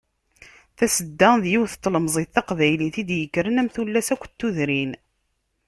Tasedda, d yiwet n tlemẓit taqbaylit i d-yekkren am tullas akk n tudrin.